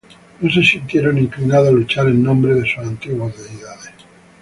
No se sintieron inclinados a luchar en nombre de sus antiguas deidades.